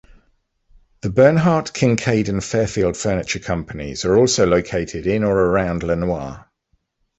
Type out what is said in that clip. The Bernhardt, Kincaid, and Fairfield furniture companies are also located in or around Lenoir.